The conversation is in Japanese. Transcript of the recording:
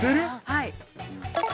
はい。